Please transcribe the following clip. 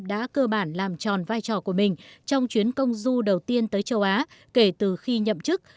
đã cơ bản làm tròn vai trò của mình trong chuyến công du đầu tiên tới châu á kể từ khi nhậm chức